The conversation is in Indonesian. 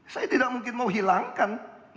saya tidak mungkin mau hilangkan